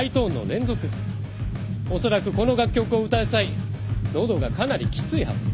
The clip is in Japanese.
おそらくこの楽曲を歌う際喉がかなりきついはず。